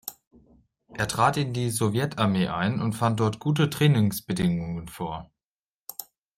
Er trat in die Sowjetarmee ein und fand dort gute Trainingsbedingungen vor.